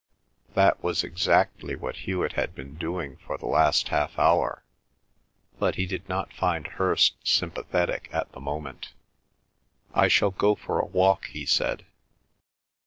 That was exactly what Hewet had been doing for the last half hour, but he did not find Hirst sympathetic at the moment. "I shall go for a walk," he said.